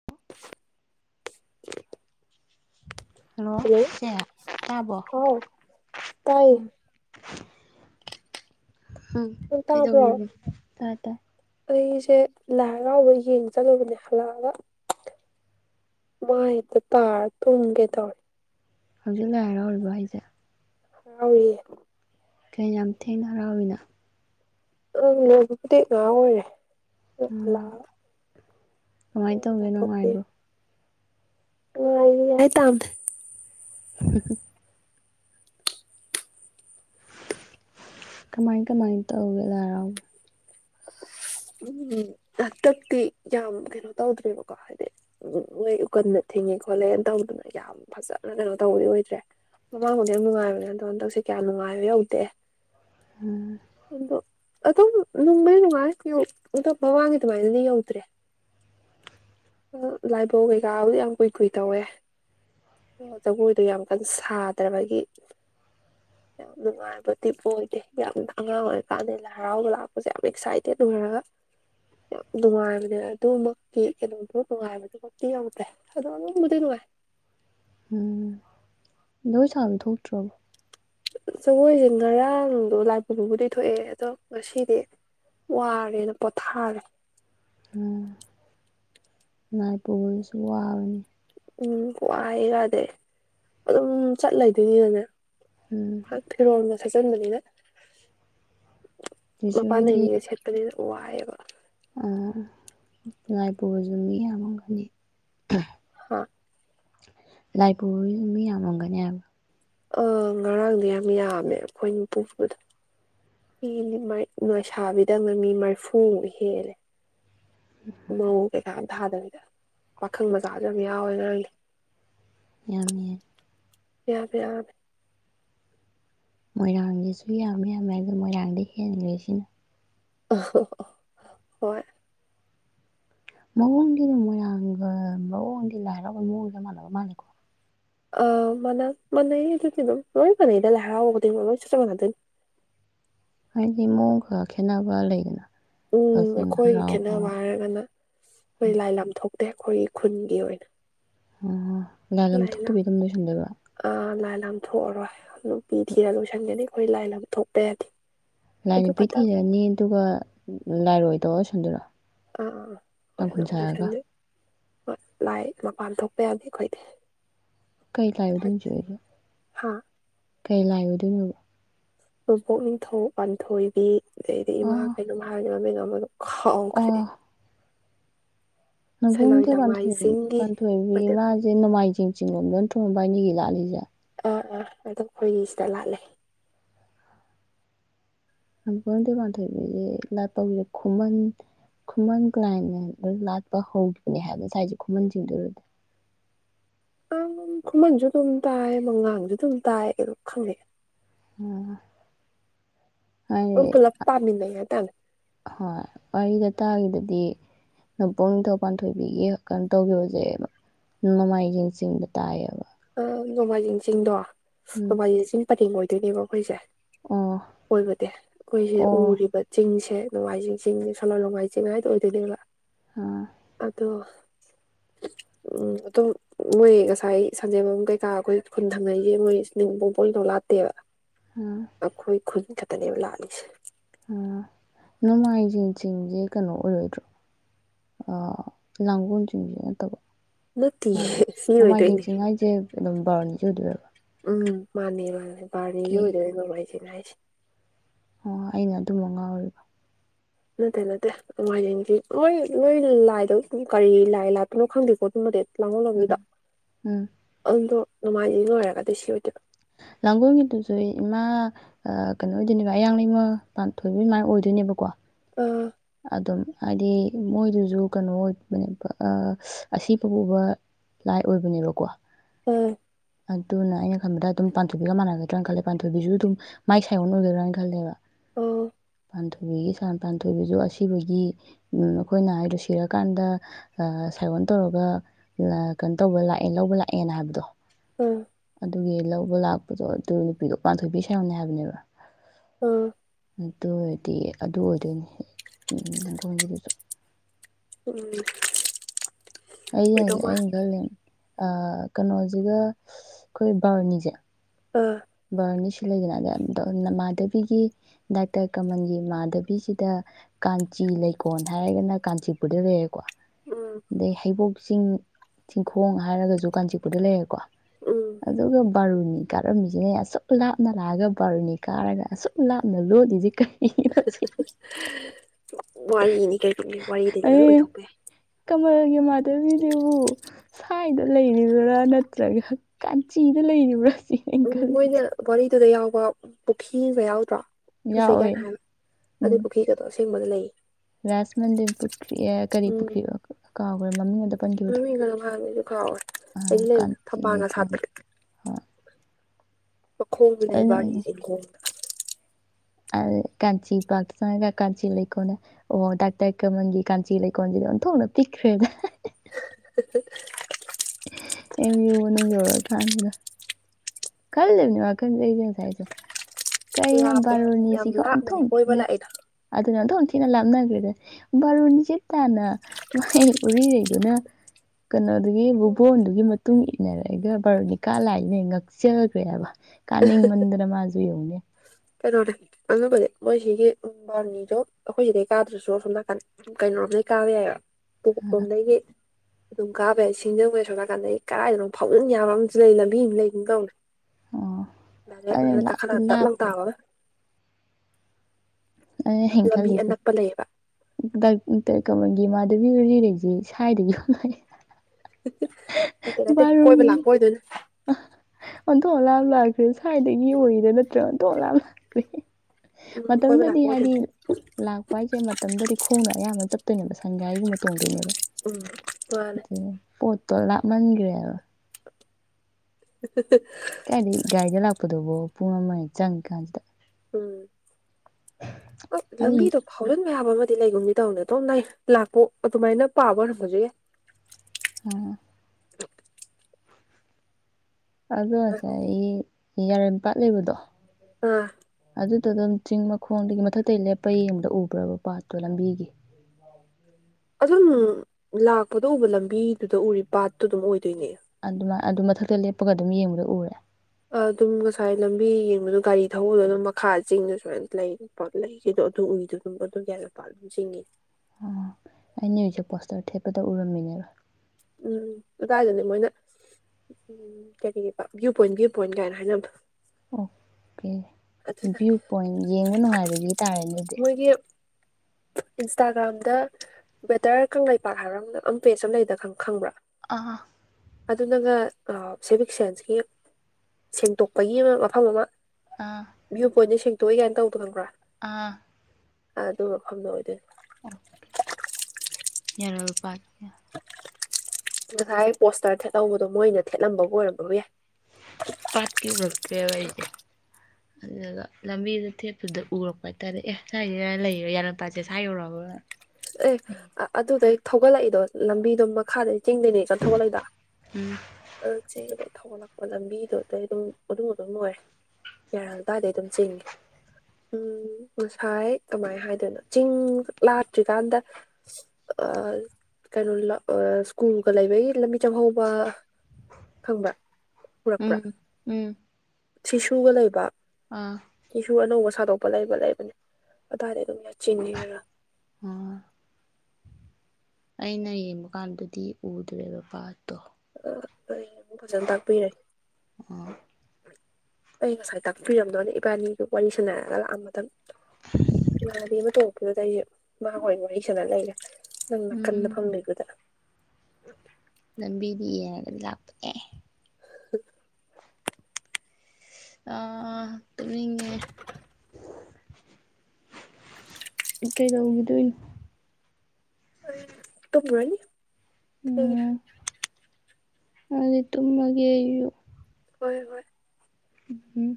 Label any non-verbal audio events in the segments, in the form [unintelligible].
[inaudible] hello ꯆꯦ ꯇꯥꯕꯔꯣ ꯍꯥꯎ ꯇꯥꯏꯌꯦ ꯑꯪ ꯅꯪ ꯇꯥꯕ꯭ꯔꯣ ꯀꯩꯗꯧꯅꯣ ꯇꯥ ꯇꯥꯏ ꯑꯩꯁꯦ ꯂꯥꯏ ꯍꯔꯥꯎꯕ ꯌꯦꯡ ꯆꯠꯂꯨꯕꯅꯦ ꯍꯜꯂꯛꯑꯒ ꯃꯥꯏꯑꯝꯇ ꯇꯥꯔ ꯇꯨꯝꯒꯦ ꯇꯧꯔꯦ ꯍꯧꯖꯤꯛ ꯂꯥꯏꯍꯥꯔꯥꯎꯔꯤꯕꯣ ꯍꯥꯏꯁꯦ ꯍꯔꯥꯎꯔꯤꯑꯦ ꯀꯩꯅ ꯌꯥꯝ ꯊꯦꯡꯅ ꯍꯔꯥꯎꯋꯅ ꯑꯪ ꯅꯕꯨꯗꯤ ꯉꯥ ꯑꯣꯏꯔꯦ ꯍꯜꯂꯛꯑꯒ ꯎꯝ ꯀꯃꯥꯏꯅ ꯇꯧꯒꯦ ꯅꯨꯡꯉꯥꯏꯕꯔꯣ ꯑ ꯌꯥꯏ ꯇꯗ ꯍ [unintelligible] ꯀꯃꯥꯏ ꯀꯃꯥꯏ ꯇꯧꯒꯦ ꯂꯥꯏ ꯍꯥꯔꯥꯎꯕ ꯎꯝ ꯍꯥꯛꯇꯛꯇꯤ ꯌꯥꯝ ꯀꯩꯅꯣ ꯇꯧꯗ꯭ꯔꯦꯕꯀꯣ ꯍꯥꯏꯗꯤ ꯅꯣꯏ ꯎꯀꯟꯗ ꯊꯤꯡꯉꯦ ꯈꯣꯠꯂꯦꯅ ꯇꯧꯗꯅ ꯌꯥꯝ ꯐꯖꯅ ꯀꯩꯅꯣ ꯇꯧꯕꯗꯤ ꯑꯣꯏꯗ꯭ꯔꯦ ꯃꯃꯥꯡꯉꯗꯤ ꯌꯥꯝ ꯅꯨꯡꯉꯥꯏꯕꯅꯦꯟꯇꯉꯅ ꯇꯧꯁꯦ ꯀꯌꯥꯝ ꯅꯨꯡꯉꯥꯏꯕ ꯌꯧꯗꯦ ꯎꯝ ꯑꯗꯣ ꯑꯗꯨꯝ ꯅꯨꯡꯕꯨꯗꯤ ꯅꯨꯡꯉꯥꯏ ꯀ ꯑꯗ ꯃꯃꯥꯡꯒꯤ ꯑꯗꯨꯃꯥꯏꯅꯗꯤ ꯌꯧꯗ꯭ꯔꯦ ꯂꯥꯏꯕꯧ ꯀꯩꯀꯥꯕꯨꯗꯤ ꯌꯥꯝ ꯀꯨꯏ ꯀꯨꯏ ꯇꯧꯋꯦ ꯑ ꯖꯒꯣꯏꯗꯣ ꯌꯥꯝ ꯀꯟꯅ ꯁꯥꯗ꯭ꯔꯕꯒꯤ ꯌꯥꯝ ꯅꯨꯡꯉꯥꯏꯕꯗꯤ ꯑꯣꯏꯗꯦ ꯌꯥꯝꯅ ꯑꯉꯥꯡ ꯑꯣꯏꯔꯀꯥꯟꯗ ꯂꯥꯏ ꯍꯔꯥꯎꯕ ꯂꯥꯛꯄ ꯁꯦ ꯌꯥꯝ ꯑꯦꯛꯁꯥꯏꯇꯦꯠ ꯑꯣꯏꯔꯒ ꯌꯥꯝ ꯅꯨꯡꯉꯥꯏꯕꯅꯦ ꯑꯗꯨꯃꯛꯇꯤ ꯀꯩꯅꯣꯗꯣ ꯅꯨꯡꯉꯥꯏꯕꯗꯨꯃꯛꯇꯤ ꯌꯥꯎꯗ꯭ꯔꯦ ꯑꯗꯣ ꯑꯗꯨꯕꯨꯗꯤ ꯅꯨꯡꯉꯥꯏ ꯎꯝ ꯂꯣꯏ ꯁꯥꯥꯡꯕ ꯊꯣꯛꯇ꯭ꯔꯣꯕ ꯖꯒꯣꯏꯁꯦ ꯉꯔꯥꯡꯗꯣ ꯂꯥꯏꯄꯨꯕꯕꯨꯗꯤ ꯊꯣꯛꯑꯦ ꯑꯗꯣ ꯉꯁꯤꯗꯤ ꯋꯥꯔꯦꯅ ꯄꯣꯊꯥꯔꯦ ꯂꯥꯏꯄꯨꯕꯁꯨ ꯋꯥꯕꯅꯤ ꯎꯝ ꯋꯥꯏ ꯀꯗꯦ ꯑꯗꯨꯝ ꯆꯠꯂꯗꯣꯏꯅꯤꯗꯅꯦ ꯎꯝ ꯐꯔ ꯁꯆꯟꯕꯅꯤꯗ ꯆꯦꯆꯦ ꯃꯄꯥꯟ ꯂꯩ ꯃꯤꯒꯁꯦꯠꯇꯅꯤꯗ ꯋꯥꯏꯑꯦꯕ ꯑꯝ ꯂꯥꯏ ꯄꯨꯔꯁꯨ ꯃꯤ ꯌꯥꯝꯃꯒꯅꯤ ꯍꯥ ꯂꯥꯏ ꯄꯨꯁꯨ ꯃꯤ ꯌꯥꯝꯃꯝꯒꯅꯦ ꯍꯥꯏꯕ ꯑꯥ ꯉꯔꯥꯡꯗꯤ ꯌꯥꯝ ꯌꯥꯝꯃꯦ ꯑꯩꯈꯣꯏꯅ ꯄꯨꯕꯗꯣ ꯃꯤ ꯂꯩꯁꯥꯕꯤꯗꯅ ꯃꯤ ꯃꯔꯥ ꯐꯨꯃꯨꯛ ꯍꯦꯜꯂꯦ ꯃꯧ ꯀꯩꯀꯥ ꯊꯥꯗꯕꯤꯗ ꯄꯥꯈꯪ ꯃꯆꯥꯁꯨ ꯑꯗꯨ ꯌꯥꯎꯋꯦ ꯈꯒꯤ ꯌꯝꯃꯦ [unintelligible] ꯃꯣꯏꯔꯥꯡꯒꯤꯁꯨ ꯌꯥꯝꯃꯦ ꯌꯥꯝꯃꯦ ꯑ ꯃꯣꯏꯔꯥꯡꯗ ꯍꯦꯟꯈꯦ ꯁꯤꯅ ꯍꯣꯏ ꯃꯑꯣꯡꯗꯤ ꯑꯗꯨ ꯃꯣꯏꯔꯥꯡꯒ ꯃꯑꯣꯡꯗꯤ ꯂꯥꯏ ꯍꯔꯥꯎꯒ ꯃꯑꯣꯡꯗ ꯃꯥꯟꯅꯕ ꯃꯥꯜꯂꯦꯀꯣ ꯑꯥ ꯃꯥꯅꯥ ꯃꯅꯩꯌꯦ ꯑꯗꯨꯗꯤ ꯑꯗꯨꯝ ꯂꯣꯏ ꯃꯅꯩꯗ ꯂꯥꯏ ꯍꯔꯥꯑꯣꯕꯥ ꯈꯨꯗꯤꯡ ꯃꯥꯀ ꯂꯣꯏꯅ ꯆꯞꯃꯥꯅꯗꯣꯏꯅꯤ ꯍꯥꯏꯗꯤ ꯃꯑꯣꯡ ꯈꯔ ꯈꯦꯠꯅꯕ ꯂꯩꯗꯅ ꯎꯝ ꯀꯛꯆꯤꯡ ꯑꯩꯈꯣꯏꯒꯤ ꯍꯔꯥꯎꯕ ꯈꯦꯠꯅꯕ ꯍꯥꯏꯔꯒꯅ ꯑꯩꯈꯣꯏ ꯂꯥꯏ ꯂꯥꯊꯣꯛꯄ ꯇꯦ ꯑꯩꯈꯣꯏꯒꯤ ꯈꯨꯟꯒꯤ ꯑꯣꯏꯅ ꯑ ꯂꯥꯂꯝ ꯂꯥꯏ ꯊꯣꯛꯇꯕꯤ ꯂꯥꯝ ꯑꯗꯨꯝ ꯂꯣꯏꯁꯤꯟꯗꯕ ꯑꯥ ꯂꯥꯏ ꯂ ꯑꯃ ꯊꯣꯛꯑꯔꯣꯏ ꯅꯨꯄꯤ ꯊꯤꯔ ꯂꯣꯏꯁꯟꯒꯅꯤ ꯑꯩꯈꯣꯏ ꯂꯥꯏ ꯂ ꯊꯣꯛꯄ ꯌꯥꯗꯦ ꯂꯥꯏ ꯑꯗꯨ ꯅꯨꯄꯤ ꯈꯛꯇꯪ ꯊꯤꯔꯅꯤ ꯑꯗꯨꯒ ꯂꯥꯏꯔꯣꯏ ꯇꯣꯁꯟꯗꯣꯏꯔꯣ ꯑ ꯑ ꯑ ꯍꯣꯏꯑꯗꯨ ꯂꯣꯏꯁꯅꯗ ꯂꯥꯏ ꯃꯄꯥꯟ ꯊꯣꯛꯄ ꯌꯥꯗꯦ ꯑꯩꯈꯣꯏꯗꯤ ꯀꯩ ꯂꯥꯏꯑꯣꯏꯗꯣꯏꯅꯣ ꯆꯣꯍꯧꯕꯣ ꯍꯥ ꯀꯩ ꯂꯥꯏ ꯑꯣꯏꯗꯣꯏꯅꯣꯕ ꯅꯣꯡꯄꯣꯛ ꯅꯤꯡꯊꯧ ꯄꯥꯟꯊꯣꯏꯕꯤ ꯑꯗꯩꯗꯤ ꯏꯃꯥ ꯑꯣ ꯀꯩꯅꯣꯝ ꯍꯥꯏꯔꯅꯦ ꯃꯃꯤꯡꯗꯣ [unintelligible] ꯍꯥꯎꯈ꯭ꯔꯦ ꯅꯕꯨꯡ ꯂꯋꯥꯏ ꯆꯤꯡꯒꯤ ꯄꯥꯟꯊꯣꯏꯕꯤ ꯑꯩꯈꯣꯏꯗ ꯃꯥꯦ ꯅꯃꯥꯏꯖꯤꯤꯡ ꯆꯤꯡ ꯂꯣꯝꯅ ꯊꯣꯏ ꯅꯒꯦ ꯜꯂꯤ ꯂꯥ ꯑꯥ ꯑꯥ ꯑꯗꯨ ꯑꯩꯈꯣꯏꯒꯤ ꯁꯤꯗ ꯂꯥꯠꯂꯦ ꯄꯥꯟꯊꯣꯏꯕꯤꯁꯦ ꯂꯥꯠꯄ ꯍꯧꯁꯦ ꯈꯨꯃꯟ ꯈꯨꯃꯟ ꯀ꯭ꯂꯥꯏ ꯂ ꯂꯥꯠꯄ ꯍꯧꯈꯤꯕꯅꯦ ꯍꯥꯏꯕ ꯉꯁꯥꯏꯁꯦ ꯈꯨꯃꯟꯁꯤꯡꯗꯨ ꯑꯣꯏꯔꯗꯤ ꯑ ꯈꯨꯃꯟꯁꯨ ꯑꯗꯨꯝ ꯇꯥꯏ ꯃꯉꯥꯡꯁꯨ ꯑꯗꯨꯝ ꯇꯥꯏ ꯑꯗꯨꯝ ꯈꯡꯅꯩ ꯑꯣ ꯍꯥꯏ ꯑꯗꯨꯝ ꯄꯨꯂꯞ ꯄꯥꯃꯤꯟꯅꯩ ꯍꯥꯏꯇꯥꯔꯦ ꯍꯣꯏ ꯋꯥꯔꯤꯗ ꯇꯥꯈꯤꯗ ꯍꯥꯏꯗꯤ ꯄꯨꯡ ꯅꯤꯡꯊꯧ ꯄꯥꯟꯊꯣꯏꯕꯤꯒꯤ ꯀꯩꯅꯣ ꯇꯧꯈꯤꯕꯁꯦ ꯃꯃꯥꯏꯖ ꯆꯤꯡꯕ ꯇꯥꯏꯌꯦꯕ ꯑ ꯅꯣꯡꯃꯥꯏꯖꯤꯡ ꯆꯤꯡꯗꯣ ꯎꯝ ꯅꯣꯡꯃꯥꯖꯤꯡ ꯆꯤꯡ ꯄꯥꯔꯦꯡ ꯑꯣꯏ ꯇꯤꯗꯤ ꯒꯣꯑꯩꯈꯣꯏꯁꯦ ꯑꯣ ꯑꯣꯏꯕꯗꯤ ꯑꯩꯈꯣꯏꯁꯤꯗ ꯑꯣ ꯎꯔꯤꯕ ꯆꯤꯡꯁꯤ ꯍꯦꯛ ꯅꯣꯡꯃꯥꯏꯖꯤꯡ ꯆꯤꯡ ꯁꯣꯂꯥꯡ ꯅꯣꯡꯃꯥꯏ ꯆꯤꯡ ꯍꯥꯏꯥꯏꯗꯣ ꯑꯣꯏꯗꯣꯏꯅꯦꯕ ꯑ ꯑꯗꯣ ꯎꯝ ꯑꯗꯨꯝ ꯃꯣꯏ ꯉꯁꯥꯏ ꯁꯟꯖꯦꯝꯕꯝ ꯀꯩꯀꯥ ꯑꯩꯈꯣꯏ ꯈꯨꯟ ꯊꯡꯅꯩꯁꯦ ꯃꯣꯏꯅꯨꯡꯄꯣꯛꯕꯣꯏꯗꯣ ꯂꯥꯠꯇꯦꯕ ꯍꯝ ꯑꯩꯈꯣꯏ ꯈꯨꯟ ꯈꯛꯇꯅꯦꯕ ꯂꯥꯛꯑꯗꫭꯏꯁꯦ ꯍꯝ ꯅꯣꯡꯃꯥꯏꯖꯤꯡ ꯆꯤꯡꯁꯦ ꯀꯩꯅꯣ ꯑꯣꯏꯔꯣꯏꯗ꯭ꯔꯣ ꯑ ꯂꯥꯡꯒꯣꯜ ꯆꯤꯡꯁꯦ ꯅꯠꯇꯕ꯭ꯔꯣ ꯅꯠꯇꯤꯌꯦ ꯁꯤ ꯑꯣꯏꯗꯣꯏꯅꯦ ꯍꯥꯏꯁꯦ ꯑꯗꯨꯝ ꯕꯥꯔꯨꯅꯤꯁꯤ ꯑꯣꯏꯗꯣꯏꯔꯥꯕ ꯎꯝ ꯃꯥꯅꯤ ꯃꯥꯅꯦ ꯕꯥꯔꯨꯅꯤꯖꯤ ꯑꯣꯏꯗꯣꯏꯅꯦ ꯅꯣꯡꯃꯥꯏꯖꯤꯡ ꯍꯥꯏ ꯑꯟꯑꯣꯗꯤꯕꯜ [inaudible] ꯑꯣ ꯑꯩꯅ ꯑꯗꯨꯃ ꯉꯥꯎꯔꯨꯏꯕ ꯅꯠꯇꯦ ꯅꯠꯇꯦ ꯅꯣꯡꯃꯥꯏꯖꯤꯡ ꯗꯤ ꯃꯣꯏ ꯃꯣꯏꯒꯤ ꯂꯥꯏꯗꯨ ꯀꯔꯤ ꯂꯥꯏ ꯂꯥꯠꯄꯅꯣ ꯈꯪꯗꯦꯀꯣ ꯑꯗꯨꯃꯗꯤ ꯂꯥꯡꯒꯣꯜ ꯂꯣꯝꯒꯤꯗꯣ ꯎꯝ ꯑꯗꯣ ꯅꯣꯡꯃꯥꯏꯖꯤꯡ ꯑꯣꯏꯔꯒꯗꯤ ꯁꯤ ꯑꯣꯏꯗꯣꯏꯕ ꯂꯥꯡꯒꯣꯜꯒꯤꯗꯨꯁꯨ ꯏꯃꯥ ꯑ ꯀꯩꯅꯣ ꯑꯣꯏꯗꯣꯏꯅꯦꯕ ꯑꯌꯥꯡ ꯂꯩꯃ ꯄꯥꯟꯊꯣꯏꯕꯤ ꯑꯗꯨꯃꯥꯏ ꯑꯣꯏꯗꯣꯏꯅꯦꯕꯀꯣ ꯑ ꯑꯗꯨꯝ ꯍꯥꯏꯗꯤ ꯃꯣꯏꯗꯨꯖꯨ ꯀꯩꯅꯣ ꯑꯣꯏꯕꯅꯦꯕ ꯑ ꯑꯁꯤꯕ ꯄꯨꯕ ꯂꯥꯏ ꯑꯣꯏꯕꯅꯦꯕꯀꯣ ꯑꯝ ꯑꯗꯨꯅ ꯑꯩꯅ ꯈꯟꯕꯗ ꯑꯗꯨꯝ ꯄꯥꯟꯊꯣꯏꯕꯤꯒ ꯃꯥꯟꯅꯒꯗ꯭ꯔꯥꯅ ꯈꯜꯂꯦ ꯄꯥꯟꯊꯣꯏꯕꯤꯖꯨ ꯑꯗꯨꯝ ꯃꯥꯏ ꯁꯥꯏꯌꯣꯟ ꯑꯣꯏꯒꯗ꯭ꯔꯥꯅ ꯈꯜꯂꯦꯕ ꯑꯣ ꯄꯥꯟꯊꯣꯏꯕꯤꯒꯤ ꯁꯥꯟ ꯄꯥꯟꯊꯣꯏꯕꯤꯖꯨ ꯑꯁ ꯁꯤꯕꯒꯤ ꯑꯝ ꯑꯩꯈꯣꯏꯅ ꯍꯥꯏꯗꯔꯥ ꯁꯤꯔꯀꯥꯟꯗ ꯁꯥꯏꯌꯣꯟ ꯑ ꯇꯧꯔꯒ ꯑ ꯀꯩꯅꯣ ꯇꯧꯕ ꯂꯥꯛꯑꯦ ꯂꯧꯕ ꯂꯥꯛꯑꯦꯅ ꯍꯥꯏꯕꯗꯣ ꯑꯥ ꯑꯗꯨꯒꯤ ꯂꯧꯕ ꯂꯥꯛꯄꯗꯣ ꯑꯗꯨ ꯅꯨꯄꯤꯗꯣ ꯄꯥꯟꯊꯣꯏꯕꯤ ꯁꯥꯏꯌꯣꯟꯅꯦ ꯍꯥꯏꯕꯅꯦꯕ ꯑꯥ ꯑꯗꯨ ꯗꯤ ꯑꯗꯨ ꯑꯣꯏꯗꯣꯏꯅꯤ ꯎꯝ ꯏꯪꯈꯣꯜꯒꯤꯗꯨꯁꯨ ꯎꯝ ꯑꯣꯏꯗꯧ ꯑꯩꯅ ꯃꯥꯜꯂꯦ ꯑꯩꯟ ꯈꯜꯂꯤꯅꯤ ꯑ ꯀꯅꯣꯁꯤꯒ ꯑꯩꯈꯣꯏ ꯕꯥꯔꯨꯅꯤꯁꯦ ꯑꯥ ꯕꯥꯔꯨꯅꯤꯁ ꯁꯤ ꯂꯩꯗꯅ ꯑ ꯅꯃ ꯃꯥꯙꯕꯤꯒꯤ ꯗꯥꯛꯇꯔ ꯀꯃꯟꯒꯤ ꯃꯥꯙꯕꯤꯒꯤꯗ ꯀꯥꯟꯆꯤ ꯂꯩꯀꯣꯜ ꯍꯥꯏꯔꯒꯅ ꯀꯥꯟꯆꯤꯄꯨꯔꯗ ꯂꯩꯔꯦꯀꯣ ꯎꯝ ꯗꯩ ꯍꯩꯕꯣꯛ ꯆꯤꯡ ꯆꯤꯡꯈꯣꯡ ꯍꯥꯏꯔꯒꯁꯨ ꯀꯥꯟꯆꯤꯄꯨꯔꯗ ꯂꯩꯔꯦꯀꯣ ꯎꯝ ꯑꯗꯨꯒ ꯕꯥꯔꯨꯅꯤ ꯀꯥꯔꯝ ꯁꯤꯅꯦ ꯑꯁꯨꯛ ꯂꯥꯞꯅ ꯂꯥꯛꯑꯒ ꯕꯥꯔꯨꯅꯤ ꯀꯥꯔꯒ ꯑꯁꯨꯛ ꯂꯥꯞꯅ ꯂꯣꯠꯜꯂꯤꯖꯤ ꯀꯩ ꯑꯍꯍꯍꯍ ꯋꯥꯔꯤꯅꯤ ꯀꯔꯤꯅꯣ ꯃꯤ ꯋꯥꯔꯤꯗꯗꯤ ꯂꯣꯏ ꯑꯣꯏꯊꯣꯛꯄ ꯌꯥꯏ ꯙꯕꯤꯖꯤꯕꯨ ꯁꯥꯏꯗ ꯂꯩꯔꯤꯕ꯭ꯔꯥ ꯅꯠꯇ꯭ꯔꯒ ꯀꯥꯟꯆꯤꯗ ꯂꯩꯔꯤꯕ꯭ꯔꯥ ꯁꯤꯅꯤ ꯑꯩ ꯎꯝ ꯃꯣꯏꯅ ꯋꯥꯔꯤ ꯑꯗꯨꯗ ꯌꯥꯎꯕ ꯄꯨꯈꯤ ꯃꯥ ꯌꯥꯎꯗ꯭ꯔꯣ ꯏꯄꯨ ꯆꯥꯍꯤ ꯌꯥꯎꯋꯦ ꯀꯥꯌꯥꯅꯣ ꯍꯥꯏꯕ ꯑꯗꯨꯏ ꯄꯨꯈꯤꯒꯗꯣ ꯑꯁ ꯑꯗꯨꯝꯕꯗ ꯂꯩ ꯔꯥꯖꯃꯟꯗꯤꯔ ꯄꯨꯈ꯭ꯔꯤ ꯀꯔꯤ ꯎꯝ ꯄꯨꯈ꯭ꯔꯤ ꯀꯥꯎꯈ꯭ꯔꯦ ꯃꯃꯤꯡꯗꯣ ꯄꯟꯈꯤꯕꯗꯣ ꯃꯃꯤꯡ ꯀꯩꯅꯣꯝ ꯍꯥꯏꯕꯅꯦ ꯑꯩꯁꯨ ꯀꯥꯎꯔꯦ ꯑꯥ ꯑꯩꯗꯤ ꯂꯩꯕꯗꯣ ꯀꯥꯟꯆꯤ ꯊꯝꯕꯥꯜꯒ ꯂꯩꯀꯣꯟꯅꯦ ꯁꯥꯠꯄꯗꯣ ꯑꯥ ꯃꯈꯣꯡꯗꯨꯅꯦ ꯕꯥꯔꯤ ꯆꯤꯡꯈꯣꯡ ꯑ ꯀꯥꯟꯆꯤ ꯄꯥꯛꯇ ꯆꯪꯉꯒ ꯀꯥꯡꯆꯤ ꯂꯩꯀꯣꯟꯗ ꯑꯣ ꯗꯥꯛꯇꯔ ꯀꯥꯃꯜꯒꯤ ꯀꯥꯟꯆꯤ ꯂꯩ ꯀꯣꯟꯖꯤꯗꯤ ꯑꯣꯟꯊꯣꯛꯅ ꯄꯤꯛꯈꯔ꯭ꯦ ꯗ [inaudible] [unintelligible] ꯑꯦꯝꯃꯌꯨ ꯃꯅꯨꯡ ꯌꯧꯔꯀꯥꯟꯗꯨꯗ ꯈꯜꯂꯤꯕꯅꯤ ꯋꯥꯈꯜꯁꯦ ꯑꯩꯖꯨ ꯉꯥꯁꯥꯏꯁꯨ ꯀꯩꯅꯣ ꯂꯥꯞꯄꯦ ꯕꯥꯔꯣꯅꯤ ꯌꯥꯝ ꯆꯤꯡꯈꯣꯡ ꯂꯥꯞꯅꯅꯦ ꯑꯟꯊꯣꯛ ꯀꯣꯏꯕ ꯊꯤꯅ ꯂꯥꯛꯏꯗꯣ ꯑꯗꯨꯅ ꯑꯣꯟꯊꯣꯛ ꯊꯤꯅ ꯂꯥꯄ ꯝꯅꯈ꯭ꯔꯦꯗ ꯕꯥꯔꯨꯅꯤꯖꯦ ꯇꯥꯟꯅ ꯃꯥꯏ ꯎꯔꯤꯔꯩꯗꯨꯅ ꯀꯩꯅꯣꯗꯨꯒꯤ ꯎꯝ ꯕꯨꯕꯣꯟꯗꯨꯒꯤ ꯃꯇꯨꯡ ꯏꯟꯅꯔꯒ ꯕꯥꯔꯃꯤꯀꯥ ꯂꯥꯛꯠ ꯅꯤꯡꯉꯛ ꯆꯦꯜꯒꯔ꯭ꯦ ꯕ ꯀꯥꯅꯤꯡꯃꯟꯗꯅ ꯃꯥꯖꯨ ꯌꯦꯉꯨꯅꯦ ꯀꯩꯅꯣꯅꯦ ꯑꯗꯨꯕꯨꯗꯤ ꯃꯣꯏꯁꯤꯒꯤ ꯕꯥꯔꯅꯤꯗꯣ ꯑꯩꯈꯣꯏ ꯁꯤꯗꯩ ꯀꯥꯗ꯭ꯔꯁꯨ ꯑꯁꯣꯝ ꯅꯥꯀꯟꯗ ꯀꯩꯅꯣꯝꯗꯩ ꯀꯥꯕ ꯌꯥꯏꯕ ꯄꯨꯕꯨꯕꯔꯣꯝꯗꯒꯤ ꯑꯗꯨꯝ ꯀꯥꯕ ꯌꯥꯏ ꯁꯤꯡꯖꯥꯃꯩ ꯁꯣꯝꯂꯀꯥꯟꯗ ꯑꯩ ꯀꯗꯥꯥꯏꯗꯅꯣ ꯐꯥꯎꯖꯤꯟ ꯌꯥꯕ ꯑ ꯑꯃꯁꯨ ꯂꯩ ꯂꯝꯕꯤ ꯑꯃ ꯂꯩꯒꯨꯝ ꯇꯧꯕꯅꯦ ꯑꯣ ꯑꯩꯅ ꯂꯥꯞꯇꯤ ꯇꯞ ꯂꯥꯥꯎ ꯂꯥꯞꯇ꯭ꯔꯣ ꯇꯥꯕꯒ ꯑꯗꯨꯅꯦ ꯍꯌꯦꯡ ꯂꯝꯕꯤ ꯈꯜꯂꯤꯖꯦ ꯑꯅꯛꯄ ꯂꯩꯌꯦꯕ [inaudible] ꯃꯥꯗꯕꯤ ꯎꯔꯤꯔꯩꯁꯦ ꯁ꯭ꯋꯥꯏꯗꯒꯤ ꯍꯧꯔꯦ ꯅꯠꯇꯦ ꯅꯠꯇꯦ ꯀꯣꯏꯕ ꯂꯥꯛꯄ ꯑꯣꯏꯗꯣꯏꯅꯦ ꯑꯣꯟꯊꯣꯛ ꯂꯥꯞ ꯂꯥꯛꯈ꯭ꯔꯦ ꯁ꯭ꯋꯥꯏꯗꯒꯤ ꯑꯣꯏꯔꯤꯗ ꯅꯠꯇ꯭ꯔꯦ ꯑꯣꯟꯇꯣꯛ ꯂꯥꯞ ꯂꯥꯛꯈ꯭ꯔꯦꯍꯦ ꯎꯝ ꯀꯣꯏꯕ ꯃꯇꯝꯗꯗꯤ ꯂꯥꯛꯄ ꯍꯥꯏꯗꯤ ꯑꯣꯏꯗꯣꯏꯅꯦ ꯂꯥꯛꯄ ꯍꯥꯏꯁꯦ ꯃꯇꯝꯗꯗꯤ ꯈꯣꯡꯅ ꯑꯌꯥꯝꯕ ꯆꯠꯄ ꯇꯣꯏꯅꯦꯕ ꯁꯟ ꯒꯥꯔꯤꯒꯨꯝꯕ ꯇꯣꯡꯗꯣꯏꯅꯦꯕ ꯎꯝ ꯄꯂꯦ ꯗꯣ ꯂꯥꯞꯃꯟꯒꯔ꯭ꯦ ꯕ [inaudible] [unintelligible] ꯀꯥꯏꯗꯩ ꯒꯥꯔꯤꯗ ꯂꯥꯛꯄꯗꯨꯕꯥꯎ ꯄꯨꯡ ꯑꯃ ꯆꯪꯉꯤ ꯀꯥꯟꯁꯤꯗ ꯎꯝ ꯑ ꯑꯗꯨꯏ ꯂꯝꯕꯤꯗ ꯐꯥꯎꯖꯟ ꯌꯥꯕ ꯑꯃꯗꯤ ꯂꯩꯒꯨꯝꯅꯤ ꯇꯧꯅꯦ ꯑꯗꯨꯣꯝꯗꯩꯩ ꯂꯥꯛꯄ ꯑꯗꯨꯃꯥꯏꯅ ꯄꯥꯕ ꯑꯣꯏꯔꯝꯕꯖꯨ ꯌꯥꯏ ꯑ [inaudible] [unintelligible] ꯑꯗꯣ ꯑꯁꯦ ꯉꯥꯏꯈꯣ ꯑꯩ ꯌꯥꯔꯟꯄꯥꯥꯠ ꯂꯩꯕꯗꯣ ꯑ ꯑꯗꯨ ꯑꯗꯨꯝ ꯆꯤꯡ ꯃꯈꯣꯡꯗꯒꯤ ꯃꯊꯛꯇꯩ ꯂꯦꯞꯄ ꯌꯦꯡꯕꯗ ꯎꯕ꯭ꯔꯕ ꯄꯥꯠꯇꯣ ꯂꯝꯕꯤꯒꯤ ꯑꯗꯨꯝ ꯂꯥꯛꯄꯗ ꯎꯕ ꯂꯝꯕꯤꯗꯨꯗ ꯎꯔꯤ ꯄꯥꯠꯇꯨ ꯑꯗꯨꯝ ꯑꯣꯏ ꯗꯣꯏꯅꯦ ꯑꯗꯨꯃꯥꯏ ꯑꯗꯨ ꯃꯊꯛꯇ ꯂꯦꯞꯄꯒ ꯑꯗꯨꯝ ꯌꯦꯡꯕꯗ ꯎꯔꯦ ꯑꯗꯨꯝ ꯉꯁꯥꯏ ꯂꯝꯕꯤ ꯌꯦꯡꯕꯗꯣ ꯒꯥꯔꯤ ꯊꯧꯕꯗꯣ ꯑꯗꯨꯝ ꯃꯈꯥ ꯆꯤꯡꯗꯁꯨ ꯂꯩ ꯂꯩꯈꯤꯗꯣ ꯑꯗꯨ ꯎꯏꯗꯣ ꯑꯗꯨꯝ ꯑꯗꯨ ꯌꯥꯔꯟꯄꯥꯠ ꯑꯗꯨꯝ ꯆꯤꯡꯉꯦ ꯑꯥ ꯑꯩꯅ ꯍꯧꯖꯤꯛ ꯄꯣꯁꯇꯔ ꯊꯦꯠꯄꯗ ꯎꯔꯝꯃꯤꯅꯦꯕ ꯎꯝ ꯑꯗꯋꯥꯏꯗꯅꯦ ꯃꯣꯏꯅ ꯎꯝ ꯀꯔꯤꯕ ꯚꯌꯨ ꯄꯣꯏꯟ ꯚ꯭ꯌꯨ ꯄꯣꯏꯟ ꯀꯥꯏꯅ ꯍꯥꯏꯅꯕꯗꯣ ꯑꯣꯀꯦ ꯑꯗꯨꯅꯅꯦ ꯚ꯭ꯌꯨ ꯄꯣꯏꯟ ꯌꯦꯡꯕ ꯅꯨꯡꯉꯥꯏꯕꯒꯤ ꯇꯥꯔꯦ ꯑꯗꯨꯗꯤ ꯃꯣꯏꯒꯤ ꯏꯟꯁꯇꯥꯒ꯭ꯔꯥꯝꯗ ꯕꯦꯇꯔ ꯀꯪꯂꯩꯄꯥꯛ ꯍꯥꯏꯕ ꯑꯃ ꯄꯦꯖ ꯑꯃ ꯂꯩꯗ ꯈꯪꯉ ꯈꯪꯕ꯭ꯔꯥ ꯑ ꯑꯗꯨꯅꯒ ꯁꯤꯚꯤꯛ ꯁꯦꯟꯁꯀꯤ ꯁꯦꯡꯇꯣꯛꯄꯒꯤ ꯑꯃ ꯃꯐꯝ ꯑꯃ ꯑꯥ ꯚꯤꯌꯨ ꯄꯣꯏꯟ ꯇꯣꯏ ꯀꯥꯏꯅ ꯇꯧꯕꯗꯣ ꯈꯪ꯭ꯕꯔꯥ ꯑꯥ ꯑꯥ ꯑꯗꯨ ꯃꯐꯝꯗꯣ ꯑꯣꯏꯗꯣꯏꯅꯦ ꯑ ꯌꯥꯔꯟꯄꯥꯠ ꯉꯁꯥꯏ ꯄꯣꯁꯇꯔ ꯊꯦꯠꯍꯧꯕꯗꯣ ꯃꯣꯏꯅ ꯊꯦꯠꯂꯝꯕꯕꯨ ꯑꯣꯏꯔꯝꯕꯕꯨ ꯌꯥꯏ ꯄꯥꯠꯇꯤ ꯎꯔꯛꯇꯔ꯭ꯦꯕ ꯑꯩꯁꯦ ꯑꯗꯨꯒ ꯂꯝꯕꯤꯗ ꯊꯦꯠꯄꯗ ꯎꯔꯛꯄ ꯍꯥꯏꯇꯥꯔꯦ ꯑꯦ ꯁꯥꯏ ꯂꯩꯔ ꯌꯥꯔꯟꯄꯥꯠꯁꯦ ꯁꯋꯥꯏ ꯌꯧꯛꯔꯑꯕ ꯑꯦ ꯑꯗꯨꯗꯩ ꯊꯧꯒꯠꯂꯛꯏꯗꯣ ꯂꯝꯕꯤꯗꯣ ꯃꯈꯥꯗ ꯆꯤꯡꯗꯩꯅꯦ ꯊꯧꯒꯠꯂꯛꯏꯗꯣ ꯊꯧꯒꯠꯂꯛꯄ ꯂꯝꯕꯤꯗꯨꯗꯩ ꯑꯗꯨꯝ ꯑꯗꯨꯝ ꯑꯗꯨꯝ ꯑꯣꯢꯔꯦ ꯌꯥꯔꯜ ꯑꯗꯥꯏꯗꯩ ꯑꯗꯨꯝ ꯆꯤꯡꯉꯦ ꯎꯝ ꯉꯁꯥꯏ ꯀꯃꯥꯏꯅ ꯍꯥꯏꯗꯣꯏꯅꯣ ꯆꯤꯡ ꯂꯥꯟꯗꯔ꯭ꯤ ꯍꯧꯖꯤꯀꯥꯟꯗ ꯀꯩꯅꯣ ꯁ꯭ꯀꯨꯜꯒ ꯂꯩꯕꯒꯤ ꯂꯝꯕꯤ ꯆꯪꯍꯧꯕ ꯈꯪꯕ꯭ꯔꯥ ꯎꯔꯛꯄ꯭ꯔꯥ ꯎꯝ ꯎꯝ ꯁꯤꯁꯨꯒ ꯂꯩꯕ ꯑꯥ ꯁꯤꯁꯨ ꯑꯅꯧꯕ ꯊꯥꯗꯣꯛꯄ ꯂꯩꯕ ꯂꯩꯕꯅꯤ ꯑꯗꯨꯋꯥꯏꯗꯒꯤ ꯑꯗꯨꯝ ꯆꯤꯡꯉꯦ ꯑꯣ ꯑꯩꯅ ꯌꯦꯡꯕ ꯀꯥꯟꯗꯗꯤ ꯎꯗ꯭ꯔꯦꯕ ꯄꯥꯠꯇꯣ ꯑꯣ ꯑꯩ ꯑꯗꯨꯝ ꯐꯖꯅ ꯇꯥꯛꯄꯤꯔꯦ ꯑꯣ ꯑꯩ ꯉꯁꯥꯏ ꯇꯥꯛꯄꯤꯔꯝꯗꯣꯅꯦ ꯏꯕꯥꯅꯤꯗꯣ ꯋꯥꯔꯤ ꯁꯥꯅ ꯂꯥꯛꯑꯝꯒꯗꯕꯅꯦ ꯌꯥꯗꯤꯕ ꯗꯣ ꯑꯗꯨꯗ ꯑꯩ ꯃꯥ ꯑꯣꯏ ꯋꯥꯔꯤ ꯁꯅꯥ ꯂꯩꯔꯦ ꯅꯪ ꯅꯥꯀꯟꯗ ꯎꯝ ꯐꯝ ꯂꯩꯕꯗ [unintelligible] ꯂꯝꯕꯤꯗꯤ ꯌꯦꯡꯑꯒ ꯂꯥꯛꯄꯅꯦ [unintelligible] ꯑ ꯇꯨꯝꯃꯤꯡꯉꯦ ꯀꯩꯗꯧꯒꯤ ꯗꯣꯏꯅꯣ ꯇꯨꯝꯃꯨꯔꯅꯤ ꯊꯦꯡꯉꯦ ꯎꯝ ꯑꯗꯨꯗꯤ ꯇꯨꯝꯃꯒꯦ ꯑꯩꯁꯨ ꯍꯣꯏ ꯍꯣꯏ ꯎꯝ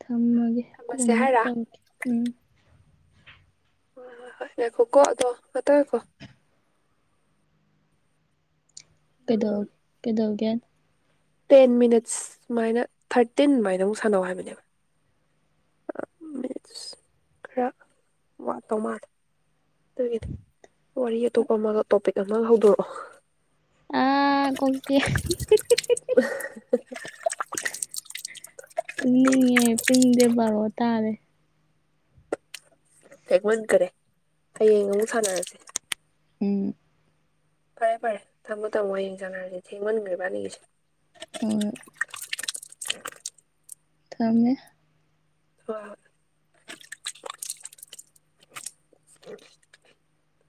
ꯊꯝꯃꯒꯦ ꯀꯣꯟ ꯊꯝꯃꯁꯦ ꯃꯨꯛ ꯍꯥꯏꯔ ꯇꯧꯔꯛꯀꯦ ꯎꯝ ꯍꯣꯏ ꯍꯣꯏ ꯉꯥꯏꯈꯣꯀꯣ ꯑꯗꯣ ꯉꯥꯏꯍꯥꯛꯇꯪ ꯉꯥꯏꯈꯣ ꯀꯩꯗꯧ ꯎꯝ ꯀꯩꯗꯧꯒꯦ ꯇꯦꯟ ꯃꯤꯅꯠꯁ ꯁꯨꯃꯥꯏꯅ ꯊꯥꯔꯇꯤꯟ ꯑꯗꯨꯃꯥꯏꯅ ꯑꯃꯨꯛ ꯁꯥꯟꯅꯧ ꯍꯥꯏꯕꯅꯦꯕ ꯈꯔ ꯋꯥꯠꯇꯧ ꯃꯥꯜꯂꯦ ꯑꯗꯨꯒꯤꯗꯤ ꯋꯥꯔꯤ ꯑꯇꯣꯞꯄ ꯑꯃꯒ ꯇꯣꯄꯤꯛ ꯑ ꯍꯧꯗꯣꯔꯛꯑꯣ ꯑꯥ ꯀꯣꯛ ꯆꯤꯠꯑꯦ ꯇꯨꯝꯅꯤꯡꯉꯦ ꯄꯨꯡꯗꯤ ꯕꯥꯔꯣ ꯇꯥꯔꯦ ꯊꯦꯡꯃꯟꯈꯔꯦ ꯍꯌꯦꯡ ꯑꯃꯨꯛ ꯁꯥꯟꯅꯔꯁꯦ ꯎꯝ ꯐꯔꯦ ꯐꯔꯦ ꯊꯝꯃꯣ ꯊꯝꯃꯣ ꯍꯌꯦꯡ ꯁꯥꯟꯅꯔꯁꯤ ꯊꯦꯡꯃꯟꯈ꯭ꯔꯦ ꯏꯕꯥꯅꯤꯒꯤꯁꯤ ꯍꯣꯏ [unintelligible] ꯊꯝꯃꯦ ꯍꯣꯏ ꯍꯣꯏ [unintelligible]